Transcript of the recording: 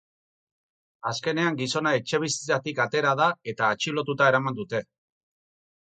Azkenean gizona etxebizitzatik atera da eta atxilotuta eraman dute.